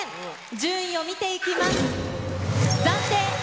順位を見ていきます。